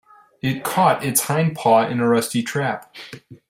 It caught its hind paw in a rusty trap.